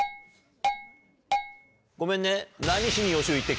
ごめんね。